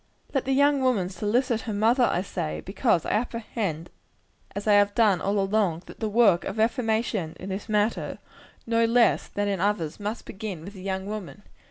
Let the young woman solicit her mother, I say; because I apprehend, as I have done all along, that the work of reformation in this matter, no less than in others, must begin with the young woman.